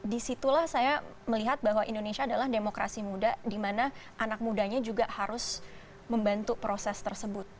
disitulah saya melihat bahwa indonesia adalah demokrasi muda di mana anak mudanya juga harus membantu proses tersebut